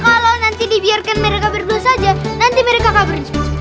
kalau nanti dibiarkan mereka berdua saja nanti mereka kabur